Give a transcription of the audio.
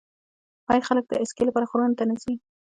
آیا خلک د اسکی لپاره غرونو ته نه ځي؟